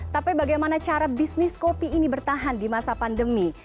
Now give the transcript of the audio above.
tapi bagaimana cara bisnis kopi ini bertahan di masa pandemi